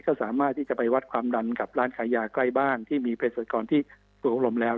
ก็สามารถที่จะไปวัดความดันกับร้านขายยากล้ายบ้างที่มีเพตเศรษฐกรที่สุขหลมแล้ว